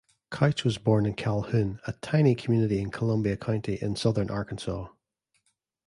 Couch was born in Calhoun, a tiny community in Columbia County in southern Arkansas.